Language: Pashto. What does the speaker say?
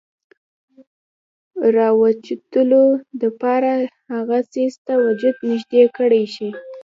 راوچتولو د پاره هغه څيز ته وجود نزدې کړے شي ،